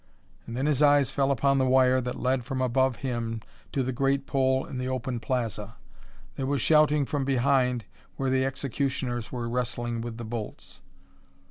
And then his eyes fell upon the wire that led from above him to the great pole in the open plaza. There was shouting from behind where the executioners were wrestling with the bolts.